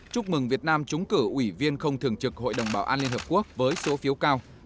chúc mừng việt nam trúng cử ủy viên không thường trực hội đồng bảo an liên hợp quốc với số phiếu cao